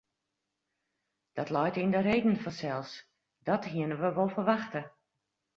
Dat leit yn de reden fansels, dat hienen we wol ferwachte.